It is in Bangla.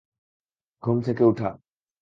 ঘুম থেকে উঠা।